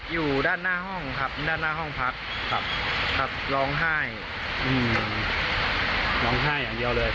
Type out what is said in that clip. อยู่ด้านหน้าห้องครับด้านหน้าห้องพักครับครับร้องไห้ร้องไห้อย่างเดียวเลย